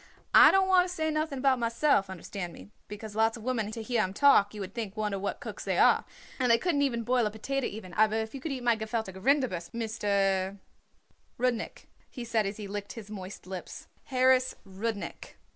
"I don't want to say nothing about myself, understand me, because lots of women to hear 'em talk you would think wonder what cooks they are, and they couldn't even boil a potater even; aber if you could eat my gefüllte Rinderbrust, Mister " "Rudnik," he said as he licked his moist lips, "Harris Rudnik."